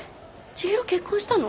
千広結婚したの？